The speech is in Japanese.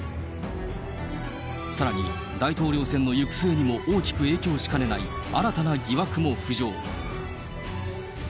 さらに大統領選の行く末にも大きく影響しかねない新たな疑惑も浮上。